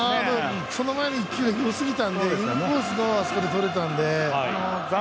その前の１球がよすぎたのでインコースのあそこでとれたので。